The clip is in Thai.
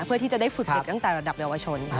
เพื่อที่จะได้ฝึกเด็กตั้งแต่ระดับเยาวชน